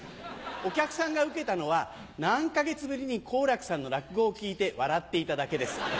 お客さんがウケたのは何か月ぶりに好楽さんの落語を聴いて笑っていただけです。